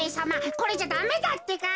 これじゃダメだってか。